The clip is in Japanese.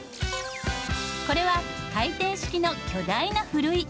これは回転式の巨大なふるい。